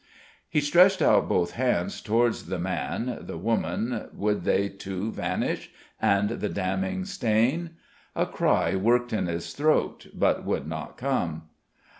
He stretched out both hands towards the man, the woman would they, too, vanish? and the damning stain? A cry worked in his throat, but would not come.